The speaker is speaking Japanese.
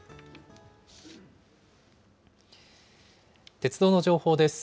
鉄道の情報です。